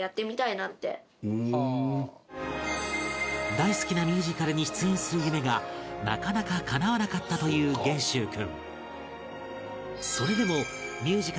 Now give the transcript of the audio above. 大好きなミュージカルに出演する夢がなかなか叶わなかったという元秀君